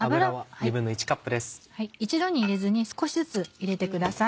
一度に入れずに少しずつ入れてください。